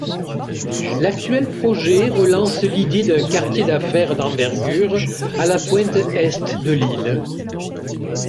L'actuel projet relance l'idée d'un quartier d'affaires d'envergure, à la pointe Est de l'île.